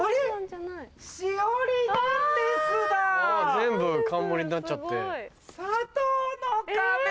全部冠になっちゃって。